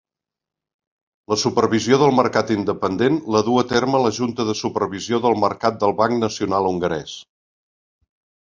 La supervisió del mercat independent la duu a terme la Junta de Supervisió del Mercat del Banc Nacional hongarès.